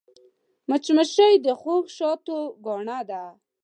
مچمچۍ د خوږ شاتو ګاڼه ده